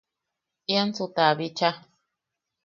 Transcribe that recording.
Iansu ta bicha.